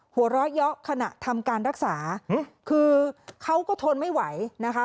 หัวเราะเยาะขณะทำการรักษาคือเขาก็ทนไม่ไหวนะคะ